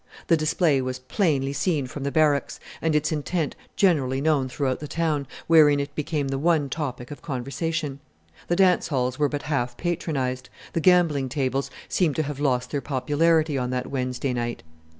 The display was plainly seen from the Barracks, and its intent generally known throughout the town, wherein it became the one topic of conversation. The dance halls were but half patronized, the gambling tables seemed to have lost their popularity on that Wednesday night.